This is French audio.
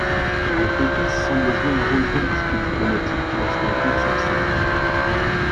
La comtesse semble jouer un rôle politique et diplomatique lorsque le comte s'absente.